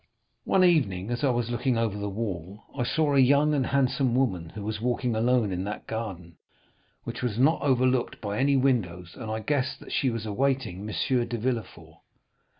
"One evening, as I was looking over the wall, I saw a young and handsome woman who was walking alone in that garden, which was not overlooked by any windows, and I guessed that she was awaiting M. de Villefort.